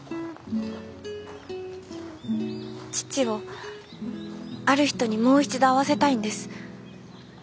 父をある人にもう一度会わせたいんです。